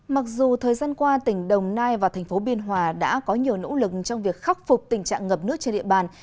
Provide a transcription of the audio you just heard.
mặc dù thời gian qua tỉnh đồng nai và thành phố biên hòa đã có nhiều nỗ lực trong việc khắc phục tình trạng ngập nước trên địa bàn